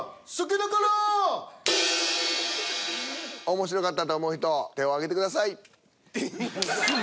面白かったと思う人手を上げてください。